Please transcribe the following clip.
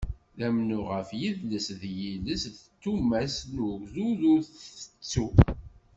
D umennuɣ ɣef yidles d yiles d tumast n ugdud ur ntettu.